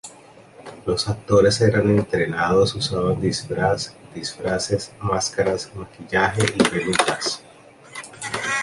Los actores eran entrenados, usaban disfraz|disfraces, máscaras, maquillaje y pelucas.